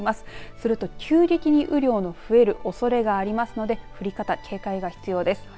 すると、急激に雨量が増えるおそれがありますので降り方、警戒が必要です。